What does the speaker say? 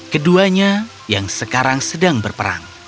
keduanya yang sekarang sedang berperang